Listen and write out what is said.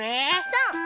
そう！